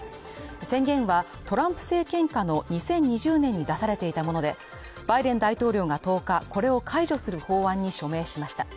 宣言はトランプ政権下の２０２０年に出されていたもので、バイデン大統領が１０日、これを解除する法案に署名しました。